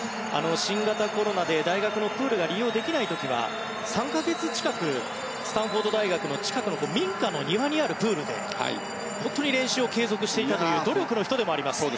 新型コロナで大学のプールが利用できない時は３か月近くスタンフォード大学の近くの民家の庭にあるプールで練習を継続していたという努力の人でもあります。